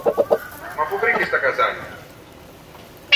Μα πού βρήκες τα καζάνια;